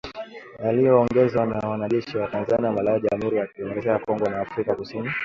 Yaliyoongozwa na wanajeshi wa Tanzania, Malawi, Jamhuri ya kidemokrasia ya Kongo na Afrika kusini.